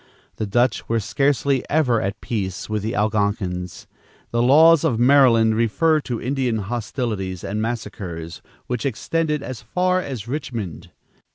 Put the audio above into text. The Dutch were scarcely ever at peace with the Algonkins. The laws of Maryland refer to Indian hostilities and massacres, which extended as far as Richmond.